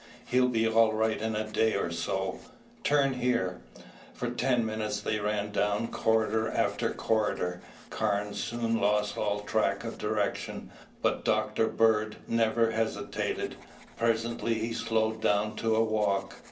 He'll be all right in a day or so. Turn here." For ten minutes they ran down corridor after corridor. Carnes soon lost all track of direction, but Dr. Bird never hesitated. Presently he slowed down to a walk.